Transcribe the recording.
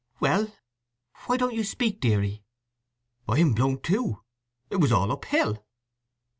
"Well—why don't you speak, deary?" "I'm blown too. It was all up hill."